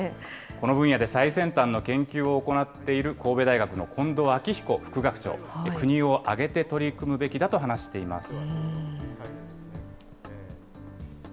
この分野で最先端の研究を行っている、神戸大学の近藤昭彦副学長、国を挙げて取り組むべきだと話しています。